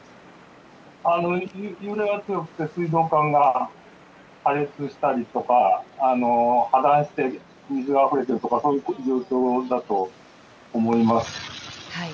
揺れが強くて水道管が破裂したりとか水があふれているとかそういう状況だと思います。